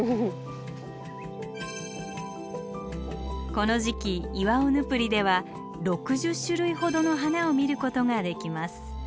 この時期イワオヌプリでは６０種類ほどの花を見ることができます。